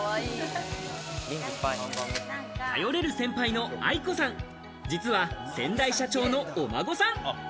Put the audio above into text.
頼れる先輩の愛子さん、実は先代社長のお孫さん。